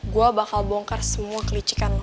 gue bakal bongkar semua kelicikan